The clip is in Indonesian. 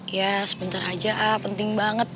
ya sebentar aja ah penting banget